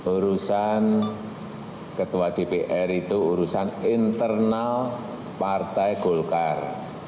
urusan ketua dpr itu urusan internal partai golkar